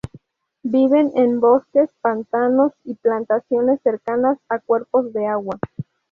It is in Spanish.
Viven en bosques, pantanos y plantaciones cercanas a cuerpos de agua.